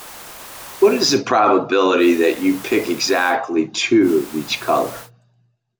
What is the probability that you pick exactly two of each color?